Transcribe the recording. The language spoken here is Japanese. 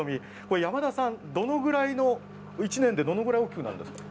山田さん、どのぐらいの、１年でどれぐらい大きくなるんですか。